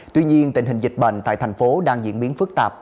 tuy nhiên tình hình dịch bệnh tại tp hcm đang diễn biến phức tạp